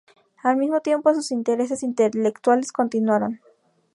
Al mismo tiempo, sus intereses intelectuales continuaron.